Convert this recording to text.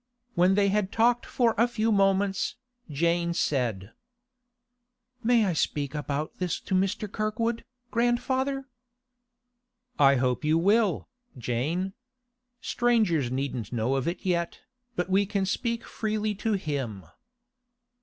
When they had talked for a few moments, Jane said: 'I may speak about this to Mr. Kirkwood, grandfather?' 'I hope you will, Jane. Strangers needn't know of it yet, but we can speak freely to him.